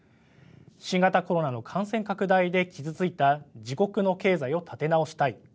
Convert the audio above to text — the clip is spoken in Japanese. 新型コロナの感染拡大で傷ついた自国の経済を立て直したい。